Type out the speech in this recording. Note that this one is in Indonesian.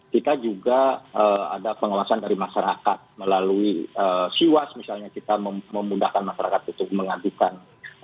kita juga ada pengawasan dari masyarakat melalui siwas misalnya kita memudahkan masyarakat untuk mengadukan